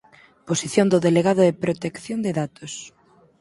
Posición do delegado de protección de datos.